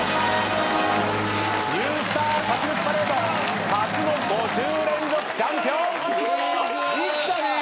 ニュースター勝ち抜きパレード初の５週連続チャンピオン！いったね！